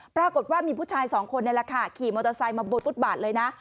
ปรากฏว่ามีผู้ชายสองคนนี่แหละค่ะขี่มอเตอร์ไซค์มาบนฟุตบาทเลยนะ